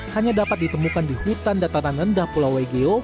hanya dapat ditemukan di hutan dataran rendah pulau wegeo